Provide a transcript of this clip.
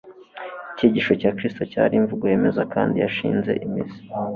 Icyigisho cya Kristo cyari imvugo yemeza kandi yashinze imizi,